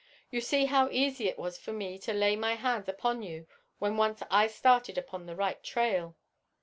You see how easy it was for me to lay my hands upon you when once I had started upon the right trail."